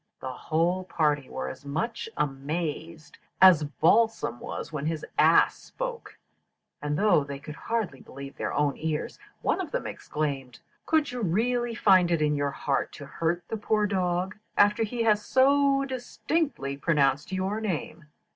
The whole party were as much amazed as Balsam was when his ass spoke; and though they could hardly believe their own ears, one of them exclaimed, 'Could you really find it in your heart to hurt the poor dog after he has so distinctly pronounced your name?'